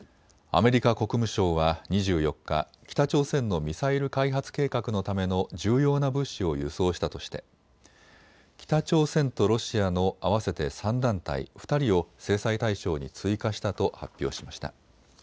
アメリカ国務省は２４日、北朝鮮のミサイル開発計画のための重要な物資を輸送したとして北朝鮮とロシアの合わせて３団体、２人を制裁対象に追加したと発表しました。